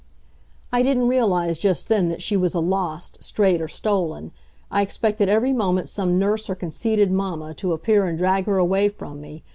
I didn't realize just then that she was a lost, strayed or stolen. I expected every moment some nurse or conceited mamma to appear and drag her away from me.